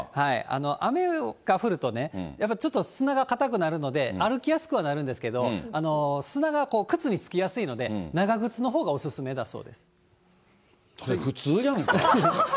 雨が降るとね、やっぱちょっと砂が硬くなるので歩きやすくはなるんですけど、砂が靴につきやすいので、それ普通やんか。